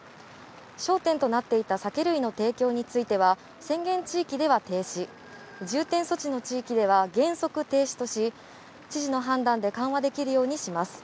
焦点となっていた酒類の提供については宣言地域では停止、重点措置の地域では原則停止とし、知事の判断で緩和できるようにします。